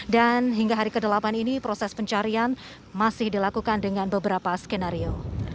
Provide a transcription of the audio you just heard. dan hingga hari ke delapan ini proses pencarian masih dilakukan dengan beberapa skenario